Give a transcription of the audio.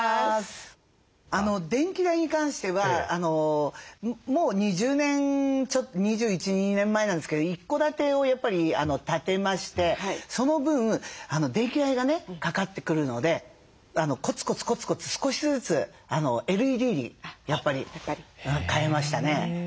電気代に関してはもう２０年２１２２年前なんですけど一戸建てをやっぱり建てましてその分電気代がねかかってくるのでコツコツコツコツ少しずつＬＥＤにやっぱり替えましたね。